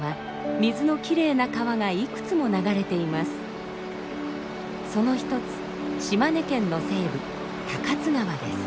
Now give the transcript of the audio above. その一つ島根県の西部高津川です。